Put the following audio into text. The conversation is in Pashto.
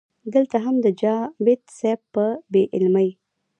دلته هم د جاوېد صېب پۀ بې علمۍ